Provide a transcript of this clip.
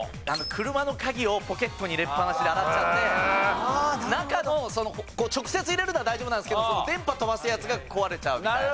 車のカギをポケットに入れっぱなしで洗っちゃって中の直接入れるのは大丈夫なんですけど電波飛ばすやつが壊れちゃうみたいな。